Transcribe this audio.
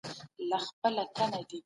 د فیل په اړه کیسه له حقیقته لرې وه.